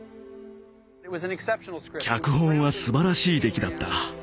脚本はすばらしい出来だった。